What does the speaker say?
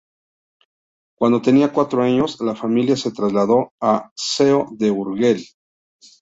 Cuando tenía cuatro años, la familia se trasladó a Seo de Urgel.